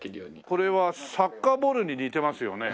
これはサッカーボールに似てますよね。